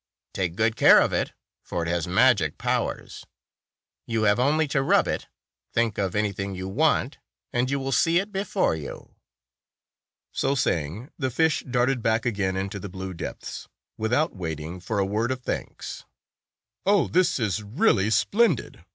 Take good care of it, for it has magic powers. You have only to rub it, think of any thing you want, and you will see it before you." So saying, the fish darted back again into the blue depths, without waiting for a word of thanks. 181 "Oh! This is really splendid!"